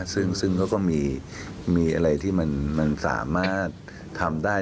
ซึ่งเขาก็มีอะไรที่มันสามารถทำได้